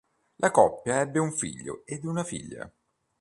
La coppia ebbe un figlio ed una figlia.